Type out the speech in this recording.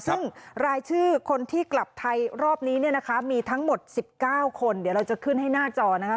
ซึ่งรายชื่อคนที่กลับไทยรอบนี้เนี่ยนะคะมีทั้งหมด๑๙คนเดี๋ยวเราจะขึ้นให้หน้าจอนะคะ